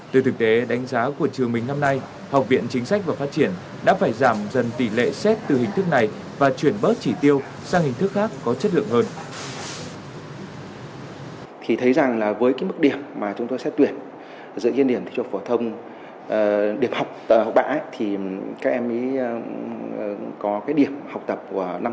từ thực tế đánh giá của trường mình năm nay học viện chính sách và phát triển đã phải giảm dần tỷ lệ xét từ hình thức này và chuyển bớt chỉ tiêu sang hình thức khác có chất lượng hơn